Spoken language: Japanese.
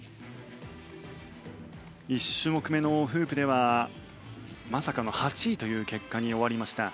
１種目目のフープではまさかの８位という結果に終わりました。